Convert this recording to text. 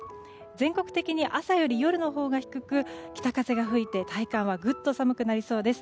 全国的に朝より夜のほうが低く北風が吹いて、体感はぐっと寒くなりそうです。